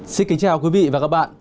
xin kính chào quý vị và các bạn